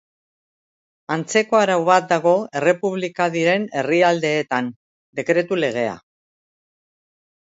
Antzeko arau bat dago Errepublika diren herrialdeetan: Dekretu Legea.